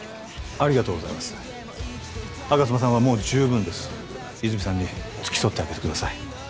ありがとうございます吾妻さんはもう十分です泉さんに付き添ってあげてください